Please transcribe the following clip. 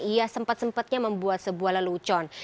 ia sempat sempatnya membuat sebuah lelucon